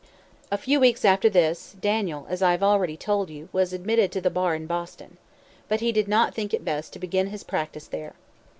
A few weeks after this, Daniel, as I have already told you, was admitted to the bar in Boston. But he did not think it best to begin his practice there.